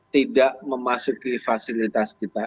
tidak memasuki fasilitas kita